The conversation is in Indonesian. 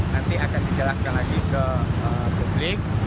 nanti akan dijelaskan lagi ke publik